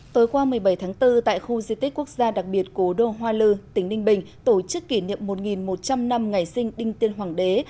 tối qua một mươi bảy tháng bốn tại khu di tích quốc gia đặc biệt cố đô hoa lư tỉnh ninh bình tổ chức kỷ niệm một một trăm linh năm ngày sinh đinh tiên hoàng đế